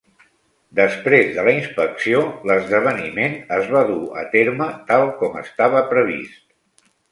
Després de la inspecció, l'esdeveniment es va dur a terme tal com estava previst.